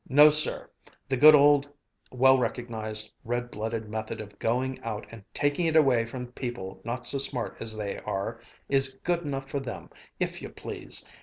No, sir; the good, old, well recognized, red blooded method of going out and taking it away from people not so smart as they are, is good enough for them, if you please.